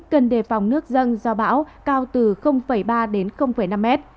cần đề phòng nước dân do bão cao từ ba đến năm mét